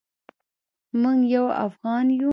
موږ یو افغان یو